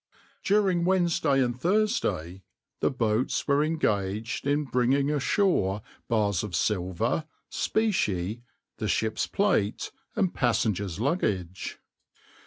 During Wednesday and Thursday the boats were engaged in bringing ashore bars of silver, specie, the ship's plate, and passengers' luggage.